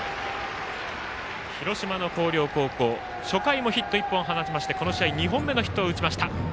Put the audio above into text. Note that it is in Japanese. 広島の広陵高校初回もヒット１本放ちましてこの試合２本目のヒットを放ちました。